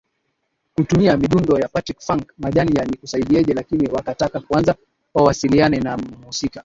kutumia midundo ya Patrick funk Majani ya Nikusaidieje Lakini wakataka kwanza wawasiliane na mhusika